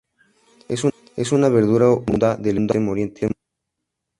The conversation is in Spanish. Es una verdura oriunda del Extremo Oriente.